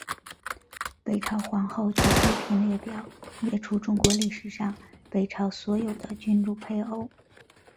北朝皇后及妃嫔列表列出中国历史上北朝所有的君主配偶。